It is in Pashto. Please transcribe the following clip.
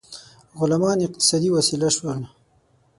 غلامان اقتصادي وسیله شول.